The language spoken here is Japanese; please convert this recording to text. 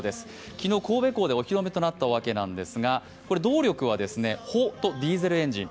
昨日、神戸港でお披露目となったわけですが動力は帆とディーゼルエンジン。